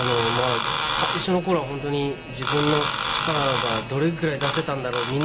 最初の頃は本当に自分の力がどれぐらい出せたんだろう？